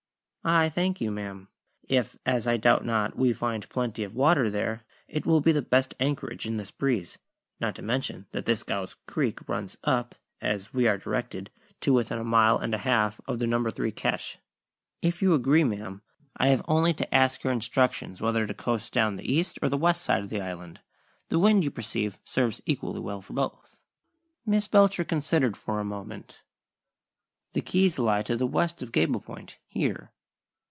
"I thank you, ma'am. If (as I doubt not) we find plenty of water there, it will be the best anchorage in this breeze; not to mention that this Gow's Creek runs up, as we are directed, to within a mile and a half of the No. 3 cache. If you agree, ma'am, I have only to ask your instructions whether to coast down the east or the west side of the Island. The wind, you perceive, serves equally well for both." Miss Belcher considered for a moment. "The Keys lie to the west of Gable Point, here.